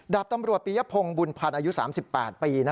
ดาบตำรวจปียพงศ์บุญพันธ์อายุ๓๘ปี